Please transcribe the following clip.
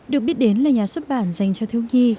được biết đến là nhà xuất bản dành cho thiếu nhi